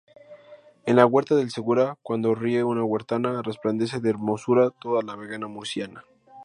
En la huerta del Segura, cuando ríe una huertana, resplandece de hermosura, toda la vega murciana.